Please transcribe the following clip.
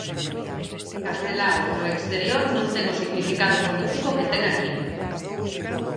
Castelao no exterior non ten o significado político que ten aquí.